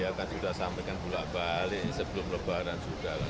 ya kan sudah sampaikan pulak balik sebelum lebaran sudah lah